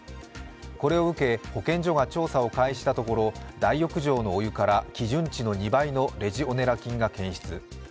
これを受け、保健所が調査を開始したところ大浴場のお湯から基準値の２倍のレジオネラ菌が検出。